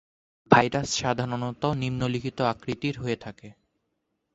Virus সাধারণত নিম্ন লিখিত আকৃতির হয়ে থাকে।